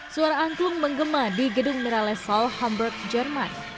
suara angklung menggema di gedung miralles hall hamburg jerman